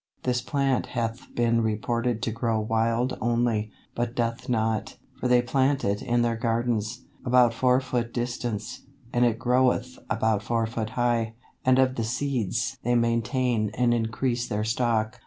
This plant hath been reported to grow wild only, but doth not; for they plant it in their gardens, about four foot distance, and it groweth about four foot high, and of the seeds they maintain and increase their stock.